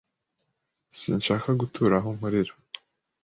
Sinshaka gutura aho nkorera.